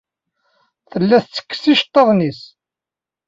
Tella tettekkes iceḍḍiḍen-nnes.